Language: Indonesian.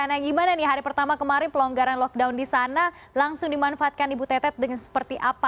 nah gimana nih hari pertama kemarin pelonggaran lockdown di sana langsung dimanfaatkan ibu tetet dengan seperti apa